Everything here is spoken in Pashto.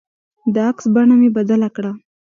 د عکس بڼه مې بدله کړه.